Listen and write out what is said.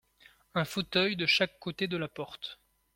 Un fauteuil de chaque côté de la porte.